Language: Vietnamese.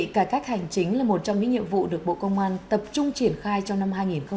cải cách hành chính là một trong những nhiệm vụ được bộ công an tập trung triển khai trong năm hai nghìn hai mươi ba